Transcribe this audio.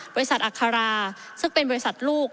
บริษัทอัครราชซึ่งเป็นบริษัทลูก